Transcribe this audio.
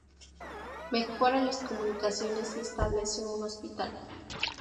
Mejora las comunicaciones y establece un hospital.